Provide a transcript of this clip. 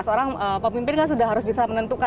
seorang pemimpin kan sudah harus bisa menentukan